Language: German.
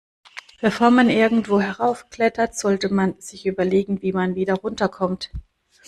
Bevor man irgendwo heraufklettert, sollte man sich überlegen, wie man wieder runter kommt.